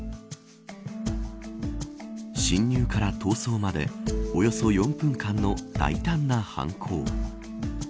侵入から逃走までおよそ４分間の大胆な犯行。